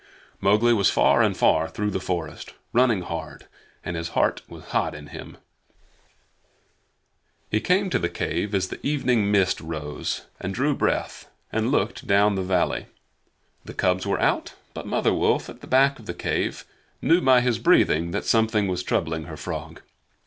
Mowgli was far and far through the forest, running hard, and his heart was hot in him. He came to the cave as the evening mist rose, and drew breath, and looked down the valley. The cubs were out, but Mother Wolf, at the back of the cave, knew by his breathing that something was troubling her frog.